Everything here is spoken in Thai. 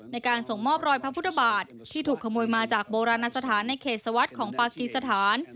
ในการส่งมอบรอยพระพุทธบาทที่ถูกขโมยมาจากโบราณสถานในเขตสวัสดิ์ของปากีสถาน